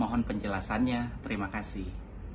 mohon penjelasannya terima kasih